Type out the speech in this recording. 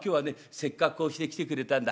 せっかくこうして来てくれたんだ。